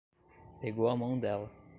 Pegou a mão dela